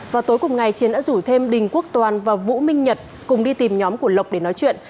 vào tối cùng ngày chiến đã rủ thêm đình quốc toàn và vũ minh nhật cùng đi tìm nhóm của lộc để nói chuyện